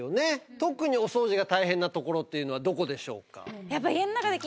特にお掃除が大変な所っていうのはどこでしょうか？